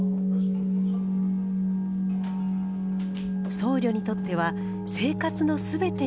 僧侶にとっては生活のすべてが修行。